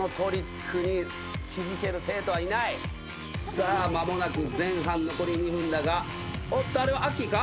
さあ間もなく前半残り２分だがおっとあれはアッキーか？